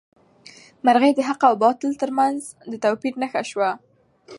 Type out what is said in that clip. مرغۍ د حق او باطل تر منځ د توپیر نښه شوه.